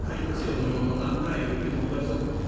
土曜の晩ぐらいゆっくり友達と。